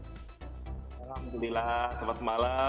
alhamdulillah selamat malam